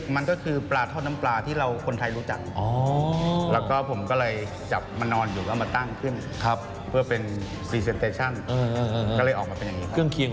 มันมีอย่างอะไรบ้าง